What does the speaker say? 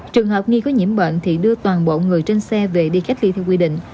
trường hợp nghi có nhiễm bệnh thì đưa toàn bộ người trên xe về đi cách ly theo quy định